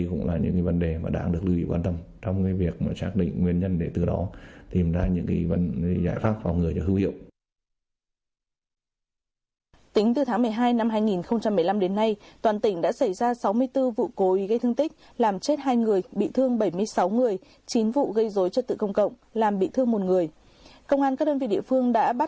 công an tp vinh đã khởi tố về tội gây dối trật tự công cộng và bắt tạm giam các đối tượng trên để tiếp tục mở rộng điều tra